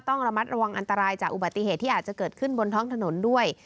ต้องระมัดระวังอันตรายจากอุบัติเหตุที่อาจจะเกิดขึ้นบนท้องถนนด้วย